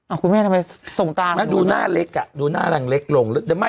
อ้าวคุณแม่ทำไมส่งตาดูหน้าเล็กอ่ะดูหน้ารังเล็กลงแต่ไม่